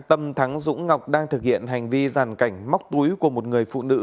tâm thắng dũng ngọc đang thực hiện hành vi giàn cảnh móc túi của một người phụ nữ